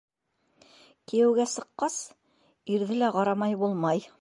Кейәүгә сыҡҡас, ирҙе лә ҡарамай булмай.